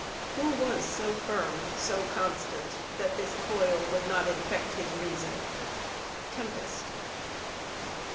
Who was so firm, so constant, that this coil Would not infect his reason? TEMPEST.